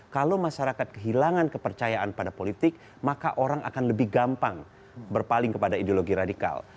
kalau masyarakat kehilangan kepercayaan pada politik maka orang akan lebih gampang berpaling kepada ideologi radikal